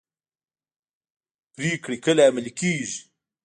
پریکړې کله عملي کیږي؟